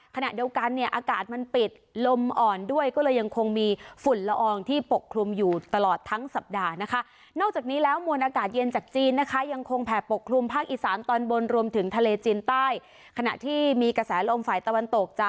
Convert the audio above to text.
ขณะเดียวกันเนี่ยอากาศมันปิดลมอ่อนด้วยก็เลยยังคงมีฝุ่นละอองที่ปกครุมอยู่ตลอดทั้งสัปดาห์นะคะ